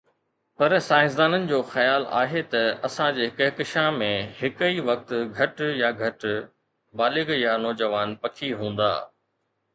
پر سائنسدانن جو خيال آهي ته اسان جي ڪهڪشان ۾ هڪ ئي وقت گهٽ يا گهٽ بالغ يا نوجوان پکي هوندا.